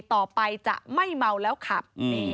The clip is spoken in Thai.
ต่อไปจะไม่เมาแล้วขับ